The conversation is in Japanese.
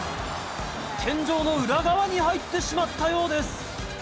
天井の裏側に入ってしまったようです。